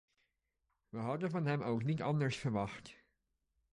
We hadden van hem ook niet anders verwacht.